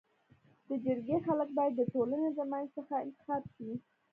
د جرګي خلک بايد د ټولني د منځ څخه انتخاب سي.